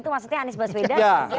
itu maksudnya anis bas beda